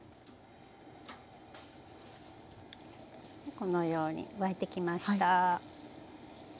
このように沸いてきました。